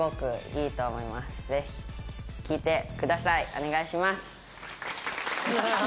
お願いします。